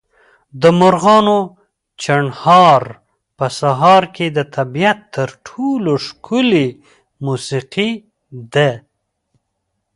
د مرغانو چڼهار په سهار کې د طبیعت تر ټولو ښکلې موسیقي ده.